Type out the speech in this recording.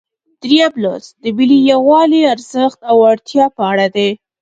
دریم لوست د ملي یووالي ارزښت او اړتیا په اړه دی.